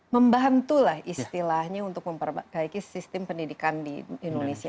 membantulah istilahnya untuk memperbaiki sistem pendidikan di indonesia